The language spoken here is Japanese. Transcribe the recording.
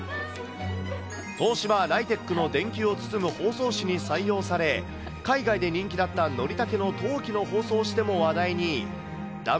東芝ライテックの電球を包む包装紙に採用され、海外で人気だったノリタケの陶器の包装紙としても話題に。